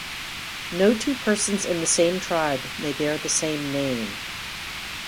No two persons in the same tribe may bear the same name.